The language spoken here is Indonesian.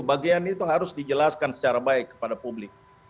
bagian itu harus dijelaskan secara baik kepada publik